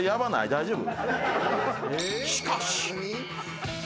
大丈夫？